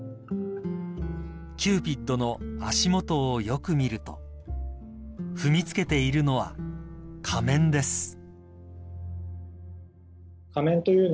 ［キューピッドの足元をよく見ると踏みつけているのは仮面です］